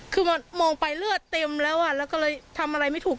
คือมันมองไปเลือดเต็มแล้วอ่ะแล้วก็เลยทำอะไรไม่ถูก